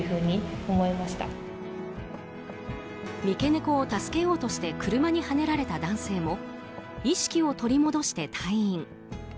三毛猫を助けようとして車にはねられた男性も意識を取り戻して退院。